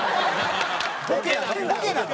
ボケなの？